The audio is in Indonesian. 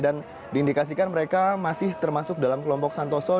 dan diindikasikan mereka masih termasuk dalam kelompok santoso